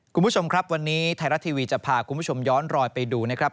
คุณผู้ชมครับวันนี้ไทยรัฐทีวีจะพาคุณผู้ชมย้อนรอยไปดูนะครับ